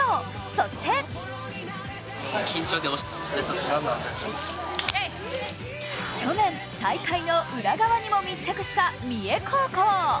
そして去年、大会の裏側にも密着した三重高校。